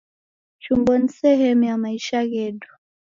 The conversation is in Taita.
Chumbo ni sehemu ya maisha ghedu